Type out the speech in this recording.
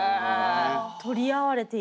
取り合われていた記憶。